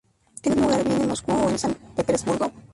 Tiene lugar bien en Moscú o en San Petersburgo.